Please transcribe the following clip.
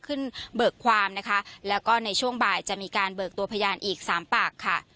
เบิกความนะคะแล้วก็ในช่วงบ่ายจะมีการเบิกตัวพยานอีกสามปากค่ะ